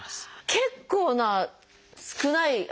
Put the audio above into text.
結構な少ない。